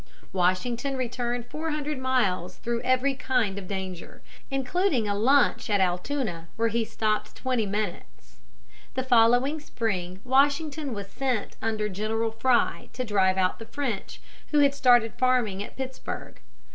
Washington returned four hundred miles through every kind of danger, including a lunch at Altoona, where he stopped twenty minutes. The following spring Washington was sent under General Fry to drive out the French, who had started farming at Pittsburg.